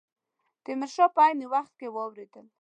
تیمور شاه په عین وخت کې واورېدل.